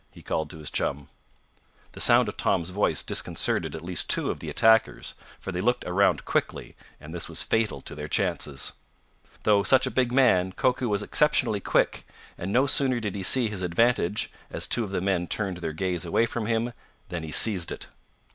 he called to his chum. The sound of Tom's voice disconcerted at least two of the attackers, for they looked around quickly, and this was fatal to their chances. Though such a big man, Koku was exceptionally quick, and no sooner did he see his advantage, as two of the men turned their gaze away from him, than he seized it.